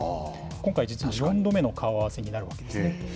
今回、実に４度目の顔合わせになるわけです。